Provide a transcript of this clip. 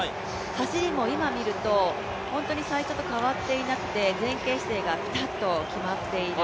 走りも今見ると、最初と変わっていなくて前傾姿勢がぴたっと決まっている。